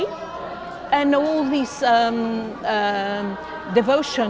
dan juga nama nama yang diberikan oleh orang